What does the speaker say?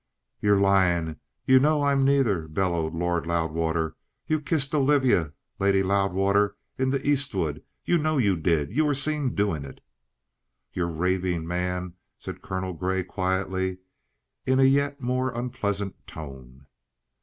"You're lying! You know I'm neither!" bellowed Lord Loudwater. "You kissed Olivia Lady Loudwater in the East wood. You know you did. You were seen doing it." "You're raving, man," said Colonel Grey quietly, in a yet more unpleasant tone.